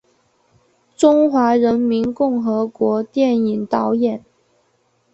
中华人民共和国电影导演。